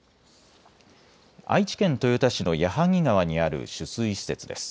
愛知県豊田市の矢作川にある取水施設です。